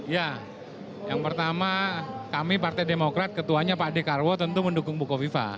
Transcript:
ya yang pertama kami partai demokrat ketuanya pak dekarwo tentu mendukung buko viva